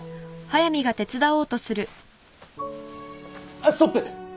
あっストップ！